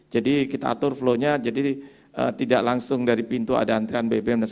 jadi kita atur flow nya jadi tidak langsung dari pintu ada antrean bpm